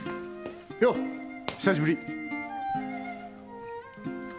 よっ久しぶり。